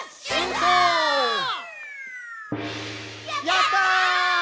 「やったー！！」